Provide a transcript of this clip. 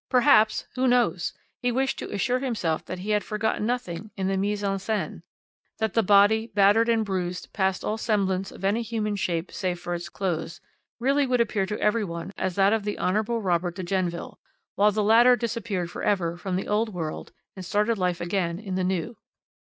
Perhaps who knows? he wished to assure himself that he had forgotten nothing in the mise en scène, that the body, battered and bruised past all semblance of any human shape save for its clothes, really would appear to every one as that of the Hon. Robert de Genneville, while the latter disappeared for ever from the old world and started life again in the new.